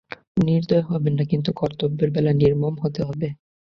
নির্দয় হবে না কিন্তু কর্তব্যের বেলা নির্মম হতে হবে।